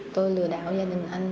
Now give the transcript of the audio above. tôi lừa đảo gia đình anh